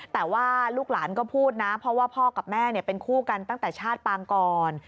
แต่ว่าลูกหลานก็พูดนะเพราะว่าพ่อกับแม่เป็นคู่กันตั้งแต่ชาติปางก่อน